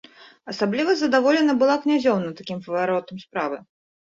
Асабліва задаволена была князёўна такім паваротам справы.